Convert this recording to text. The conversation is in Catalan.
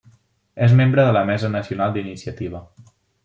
És membre de la Mesa Nacional d'Iniciativa.